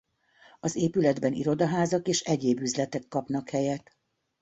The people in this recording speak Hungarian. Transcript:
Az épületben irodaházak és egyéb üzletek kapnak helyet.